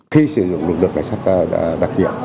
khi sử dụng lực lượng cảnh sát đặc nhiệm